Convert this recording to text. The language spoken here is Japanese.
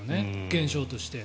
現象として。